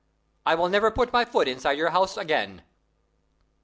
"I will never put my foot inside your house again!"